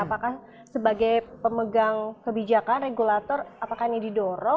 apakah sebagai pemegang kebijakan regulator apakah ini didorong